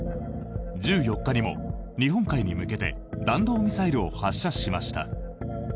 １４日にも日本海に向けて弾道ミサイルを発射しました。